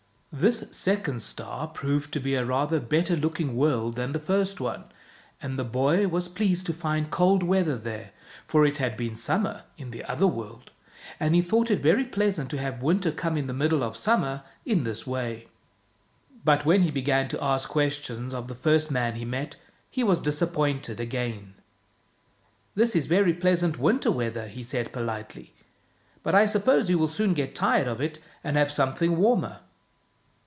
This second star proved to be a rather better looking world than the first one, and the boy was 70 THE BOY WHO WENT OUT OF THE WORLD pleased to find cold weather there, for it had been summer in the other world, and he thought it very pleasant to have winter come in the middle of summer in this way. But when he began to ask questions of the first man he met, he was disappointed again. " This is very pleasant winter weather," he said politely, " but I suppose you will soon get tired of it and have something warmer?